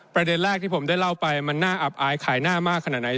ประเด็นแรกที่ผมได้เล่าไปมันน่าอับอายขายหน้ามากขนาดไหน